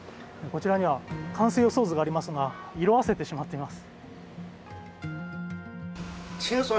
こちらには完成予想図もありますが色あせてしまっています。